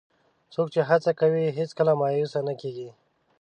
څوک چې هڅه کوي، هیڅکله مایوس نه کېږي.